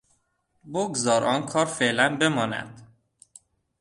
بگذار آن کار فعلا بماند.